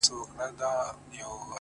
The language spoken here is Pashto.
o نن شپه بيا زه پيغور ته ناسته يمه؛